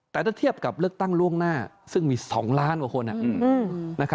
แต่ถ้าเทียบกับเลือกตั้งล่วงหน้าซึ่งมี๒ล้านกว่าคน